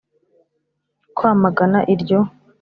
kwamagana iryo